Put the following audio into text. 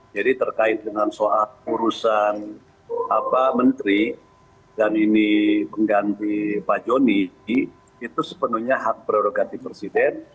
jadi terkait dengan soal urusan menteri dan ini pengganti pak joni itu sepenuhnya hak prerogatif presiden